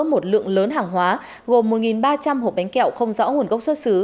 một lượng lớn hàng hóa gồm một ba trăm linh hộp bánh kẹo không rõ nguồn gốc xuất xứ